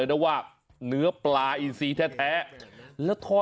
โอ้โห